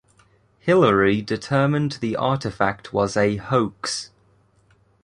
Hillary determined the artifact was a hoax.